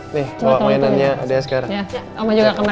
ini bawa mainannya dia sekarang ya